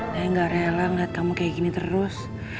saya nggak rela ngeliat kamu kayak gini terus